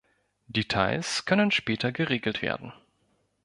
Details können später geregelt werden.